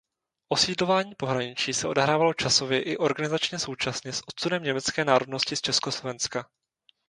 Osídlování pohraničí se odehrávalo časově i organizačně současně s odsunem německé národnosti z Československa.